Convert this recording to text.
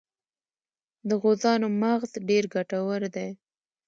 د غوزانو مغز ډیر ګټور دی.